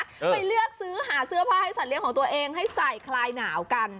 ไปเลือกซื้อหาเสื้อผ้าให้สัตเลี้ยของตัวเองให้ใส่คลายหนาวกัน